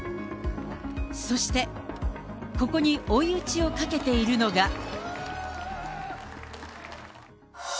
そして、ここに追い打ちをかけているのが。